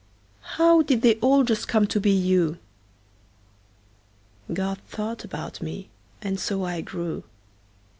How did they all just come to be you? God thought about me, and so I grew.